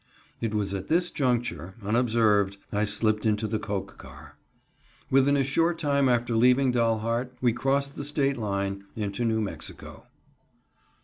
It was at this juncture, unobserved, I slipped into the coke car. Within a short time after leaving Dalhart we crossed the State line into New Mexico.